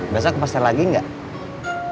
biasa kepaster lagi gak